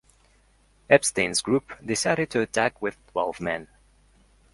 Epstein's group decided to attack with twelve men.